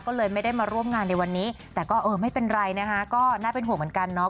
ก็เลยไม่ได้มาร่วมงานในวันนี้แต่ก็เออไม่เป็นไรนะคะก็น่าเป็นห่วงเหมือนกันเนาะ